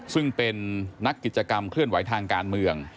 ซึ่งเป็นนักกิจกรรมเคลื่อนไหวทางการเมือง